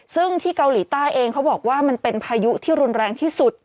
ซึ่งที่เกาหลีใต้เองเขาบอกว่ามันเป็นพายุที่รุนแรงที่สุด